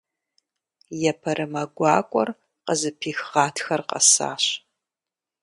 Епэрымэ гуакӀуэр къызыпих Гъатхэр къэсащ.